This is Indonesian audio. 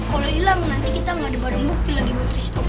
kalau hilang nanti kita gak ada barang bukti lagi buat risiko bertemp